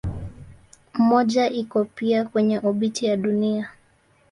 Mmoja iko pia kwenye obiti ya Dunia.